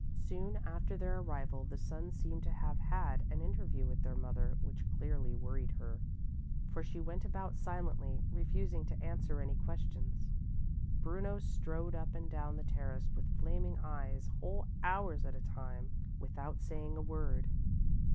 Soon after their arrival the sons seemed to have had an interview with their mother which clearly worried her, for she went about silently, refusing to answer any questions. Bruno strode up and down the terrace with flaming eyes whole hours at a time, without saying a word.